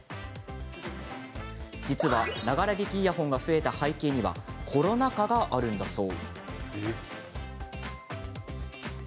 実は、ながら聴きイヤホンが増えた背景にはコロナ禍があるんだそう。